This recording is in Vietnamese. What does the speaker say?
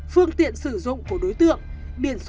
phương tiện sử dụng của đối tượng biển số